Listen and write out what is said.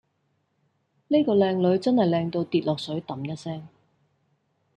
喱個靚女真係靚到跌落水揼一聲